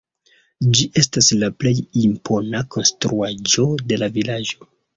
Ĝi estas la plej impona konstruaĵo de la vilaĝo.